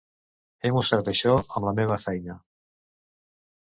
He mostrat això amb la meva feina.